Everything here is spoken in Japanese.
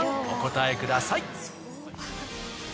お答えください。